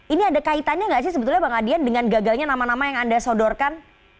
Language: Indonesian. ini ada kaitannya nggak sih sebetulnya bang adian dengan gagalnya nama nama yang anda sodorkan